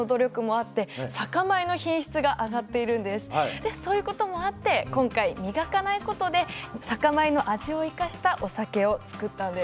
でそういうこともあって今回磨かないことで酒米の味を生かしたお酒を造ったんです。